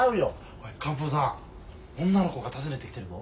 おい寒風山女の子が訪ねてきてるぞ。